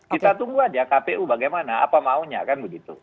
kita tunggu aja kpu bagaimana apa maunya kan begitu